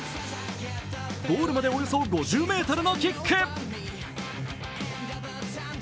ゴールまでおよそ５０ｍのキック。